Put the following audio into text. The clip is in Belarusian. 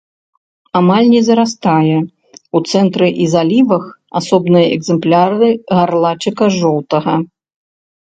Амаль не зарастае, у цэнтры і залівах асобныя экзэмпляры гарлачыка жоўтага.